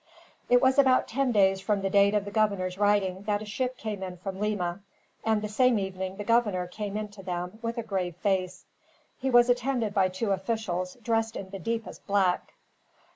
It was about ten days from the date of the governor's writing that a ship came in from Lima, and the same evening the governor came in to them, with a grave face. He was attended by two officials, dressed in the deepest black.